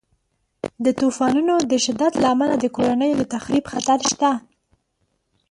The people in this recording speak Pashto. د طوفانونو د شدت له امله د کورنیو د تخریب خطر شته.